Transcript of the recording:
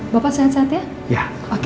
bapak sehat sehat ya